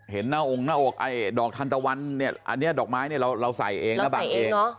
เห็นหน้าอกนั่นดอกทันตะวันเนี่ยอันนี้ดอกไม้เราใส่เองระบังเอง